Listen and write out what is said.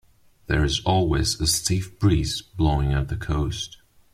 There's always a stiff breeze blowing at the coast.